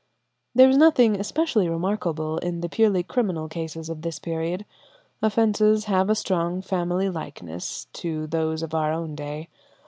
There is nothing especially remarkable in the purely criminal cases of this period; offences have a strong family likeness to those of our own day.